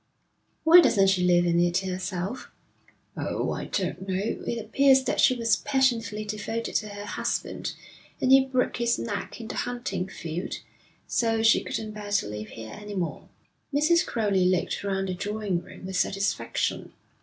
'Why doesn't she live in it herself?' 'Oh, I don't know. It appears that she was passionately devoted to her husband, and he broke his neck in the hunting field, so she couldn't bear to live here any more.' Mrs. Crowley looked round the drawing room with satisfaction.